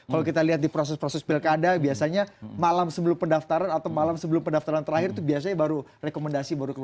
kalau kita lihat di proses proses pilkada biasanya malam sebelum pendaftaran atau malam sebelum pendaftaran terakhir itu biasanya baru rekomendasi baru keluar